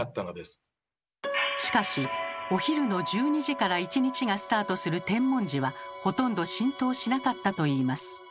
しかしお昼の１２時から１日がスタートする天文時はほとんど浸透しなかったといいます。